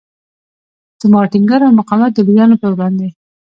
زما ټینګار او مقاومت د لویانو پر وړاندې.